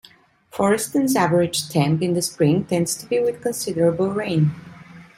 Forreston's average temp in the Spring tends to be with considerable rain.